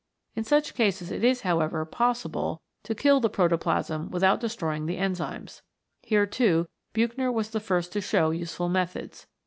In such cases it is, however, possible to kill the protoplasm without destroying the enzymes. Here, too, Buchner was the first to show useful methods.